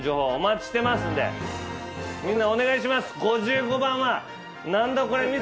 みんなお願いします！